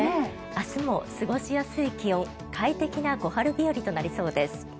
明日も過ごしやすい気温快適な小春日和となりそうです。